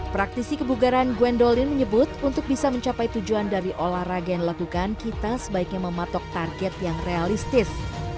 praktisi kebugaran gwendolin menyebut untuk bisa mencapai tujuan dari olahraga yang dilakukan kita sebaiknya mematok target yang realistis